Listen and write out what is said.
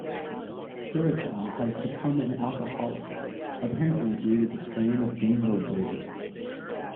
Cirocco has become an alcoholic, apparently due to the strain of being the "Wizard".